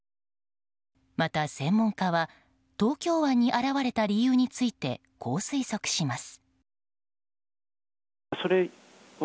また、専門家は東京湾に現れた理由についてこう推測します。